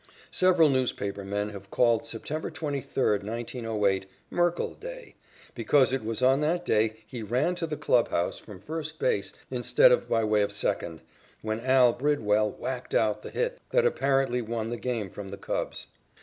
Several newspaper men have called September 23, 1908, "Merkle Day," because it was on that day he ran to the clubhouse from first base instead of by way of second, when "Al" Bridwell whacked out the hit that apparently won the game from the Cubs.